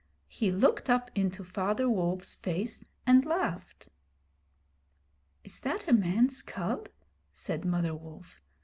He looked up into Father Wolf's face, and laughed. 'Is that a man's cub?' said Mother Wolf.